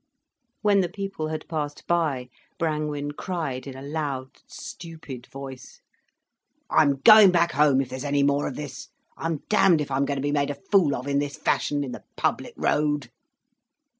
When the people had passed by, Brangwen cried in a loud, stupid voice: "I'm going back home if there's any more of this. I'm damned if I'm going to be made a fool of in this fashion, in the public road."